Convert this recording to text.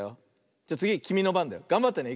じゃつぎきみのばんだよ。がんばってね。